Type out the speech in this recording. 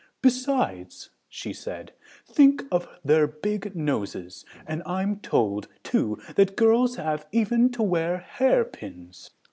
"Besides," said she, "think of their big noses, and I'm told, too, that girls have even to wear hairpins."